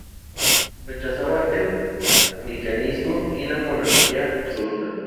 Rechazaban el anglicanismo y la monarquía absoluta.